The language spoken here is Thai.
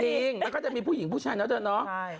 จริงมันก็จะมีผู้หญิงผู้ชายน่ะใช่มั้ย